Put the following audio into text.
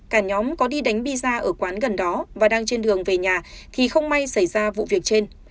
cả nhóm có đi đánh piza ở quán gần đó và đang trên đường về nhà thì không may xảy ra vụ việc trên